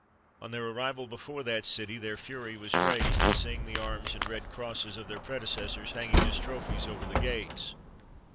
On their arrival before that city, their fury was raised at seeing the arms and red crosses of their predecessors hanging as trophies over the gates.